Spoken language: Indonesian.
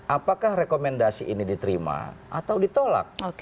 apakah rekomendasi ini diterima atau ditolak